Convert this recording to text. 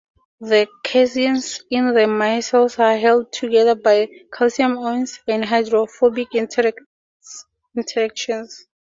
The caseins in the micelles are held together by calcium ions and hydrophobic interactions.